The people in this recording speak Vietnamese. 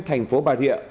thành phố bà rịa